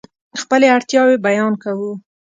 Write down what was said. خپلې اړتیاوې بیان کوو.